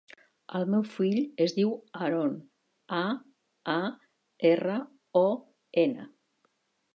El meu fill es diu Aaron: a, a, erra, o, ena.